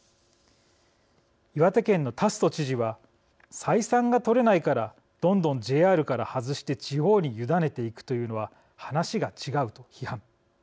岩手県の達増知事は採算が取れないからどんどんＪＲから外して地方に委ねていくというのは話が違うと批判。